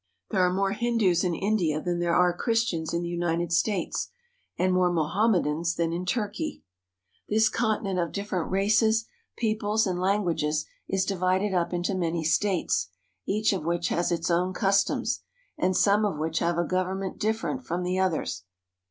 There are more Hindus in India than there are Christians in the United States, and more Mohammedans than in Turkey. This continent of different races, peoples, and languages is divided up into many states, each of which has its own customs, and some of which have a government different from the others.